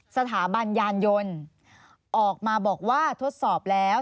สถาบันยานยนต์ออกมาบอกว่าทดสอบแล้ว